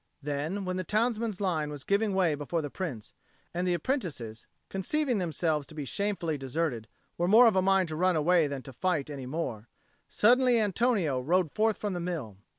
Then, when the townsmen's line was giving way before the Prince, and the apprentices, conceiving themselves to be shamefully deserted, were more of a mind to run away than to fight any more, suddenly Antonio rode forth from the mill.